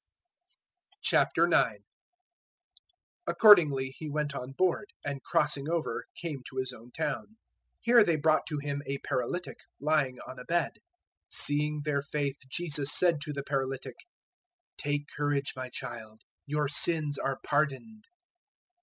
009:001 Accordingly He went on board, and crossing over came to His own town. 009:002 Here they brought to Him a paralytic lying on a bed. Seeing their faith Jesus said to the paralytic, "Take courage, my child; your sins are pardoned."